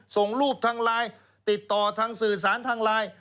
ส่งรูปทางไลน์ติดต่อทางสื่อสารทางไลน์